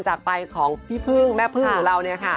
จากไปของพี่พึ่งแม่พึ่งของเราเนี่ยค่ะ